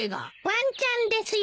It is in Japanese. ワンちゃんですよ。